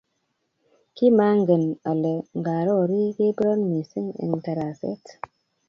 kimangen kole ngarori kebiro missing eng taraset